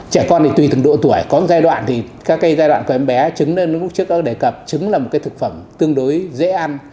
trẻ con thì tùy từng độ tuổi có giai đoạn thì các giai đoạn của em bé chứng nó lúc trước đã đề cập chứng là một cái thực phẩm tương đối dễ ăn